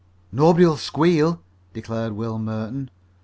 "Nobody'll squeal," declared Will Merton.